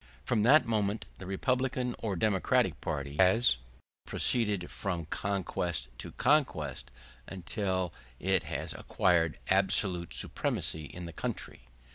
From that moment the Republican or Democratic party *a has proceeded from conquest to conquest, until it has acquired absolute supremacy in the country.